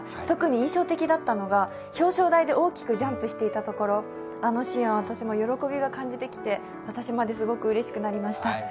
特に印象的だったのが表彰台で大きくジャンプしていたところ、あのシーンは私も喜びを感じてきて私まですごくうれしくなりました。